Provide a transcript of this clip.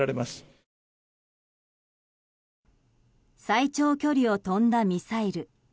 最長距離を飛んだミサイル。